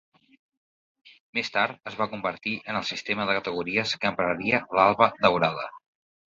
Més tard es va convertir en el sistema de categories que empraria l'Alba Daurada.